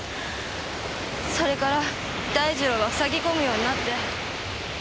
それから大二郎はふさぎ込むようになって。